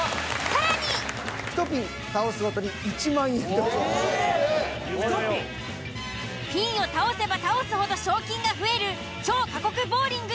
［ピンを倒せば倒すほど賞金が増える］